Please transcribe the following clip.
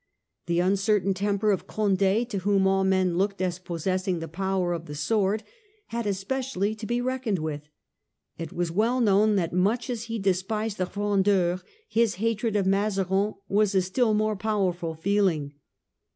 The uncertain temper of Condd, to whom all men looked as possessing the power of the sword, had especially to be reckoned with. It was well known that, much as he despised the Frondeurs, his hatred of Mazarin was a still more power ful feeling.